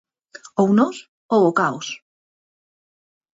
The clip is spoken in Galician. Ou nós ou o caos!